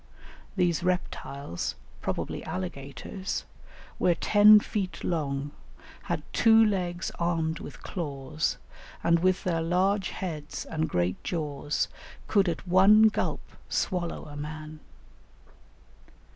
These reptiles, probably alligators, were ten feet long, had two legs armed with claws, and with their large heads and great jaws could at one gulp swallow a man.